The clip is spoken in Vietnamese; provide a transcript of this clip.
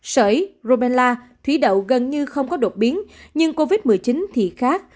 sợi rubella thủy đầu gần như không có đột biến nhưng covid một mươi chín thì khác